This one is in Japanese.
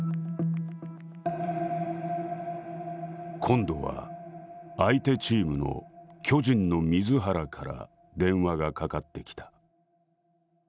「今度は相手チームの巨人の水原から電話がかかってきた」。